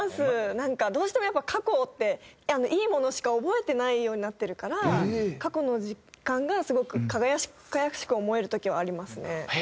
なんかどうしてもやっぱ過去っていいものしか覚えてないようになってるから過去の時間がすごく輝かしく思える時はありますね。